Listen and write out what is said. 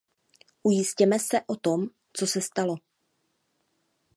Ujistěme se o tom, co se stalo.